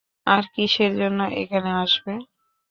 আর কিসের জন্য এখানে আসবে?